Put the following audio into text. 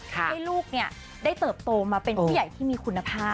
ให้ลูกได้เติบโตมาเป็นผู้ใหญ่ที่มีคุณภาพ